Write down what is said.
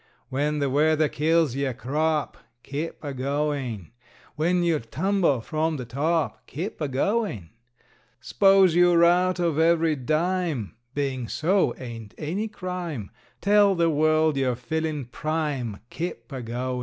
When the weather kills yer crop, Keep a goin'! When you tumble from the top, Keep a goin'! S'pose you're out of every dime, Bein' so ain't any crime; Tell the world you're feelin' prime Keep a goin'!